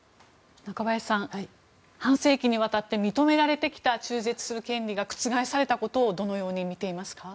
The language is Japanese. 中林さん半世紀にわたり認められてきた中絶する権利が覆されたことをどのように見ていますか？